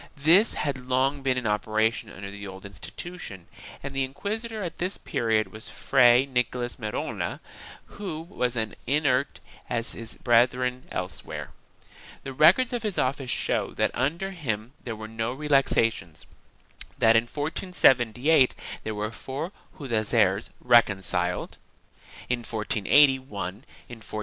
This had long been in operation under the old insti tution and the inquisitor at this period was Fray Nicolas Merola who was as inert as his brethren elsewhere. The records of his office show that under him there were no relaxations; that in 1478 there were four Judaizers reconciled; in 1480, one; in 1482, two and in 1486, one.